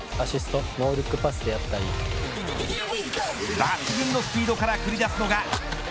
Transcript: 抜群のスピードから繰り出すのが。